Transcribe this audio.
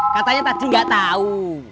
katanya tak cem nggak tau